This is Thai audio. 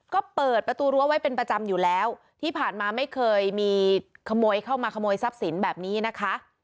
ก็เปิดประตูรั้วไว้เป็นประจำอยู่แล้วที่ผ่านมาไม่เคยมีขโมยเข้ามาขโมยทรัพย์สินแบบนี้นะคะ